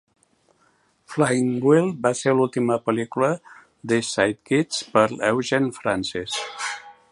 "Flying Wild" va ser l"última pel·lícula d"East Side Kids per a Eugene Francis.